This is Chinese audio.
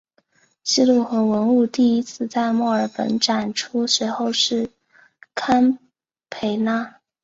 记录和文物第一次在墨尔本展出随后是堪培拉。